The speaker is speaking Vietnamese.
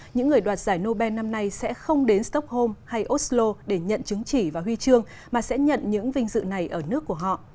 những người đoạt giải nobel năm nay sẽ không đến stockholm hay oslo để nhận chứng chỉ và huy chương mà sẽ nhận những vinh dự này ở nước của họ